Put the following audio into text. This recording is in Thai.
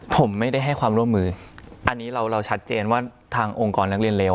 ผมไม่ได้ให้ความร่วมมืออันนี้เราชัดเจนว่าทางองค์กรนักเรียนเลว